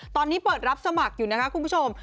ตอนนี้เปิดรับสมัครอยู่นะคะคุณผู้ชม